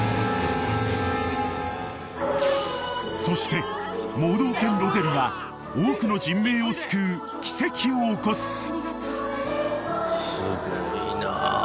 ［そして盲導犬ロゼルが多くの人命を救う奇跡を起こす］